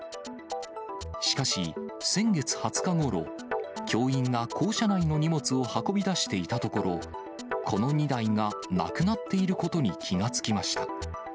しかし、先月２０日ごろ、教員が校舎内の荷物を運び出していたところ、この２台がなくなっていることに気が付きました。